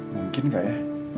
mungkin kak ya